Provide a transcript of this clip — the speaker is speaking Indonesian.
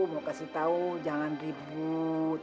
mau kasih tau jangan ribut